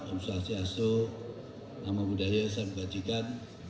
om swastiastu nama budaya saya berkajikan